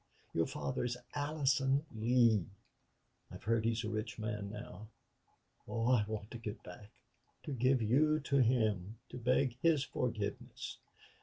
Your father is Allison Lee. I've heard he's a rich man now.... Oh, I want to get back to give you to him to beg his forgiveness....